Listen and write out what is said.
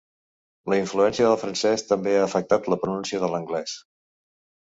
La influència del francès també ha afectat la pronúncia de l'anglès.